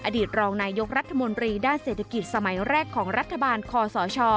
อดีตรองนายกรัฐมนตรีด้านเศรษฐกิจสมัยแรกของรัฐบาลคอสช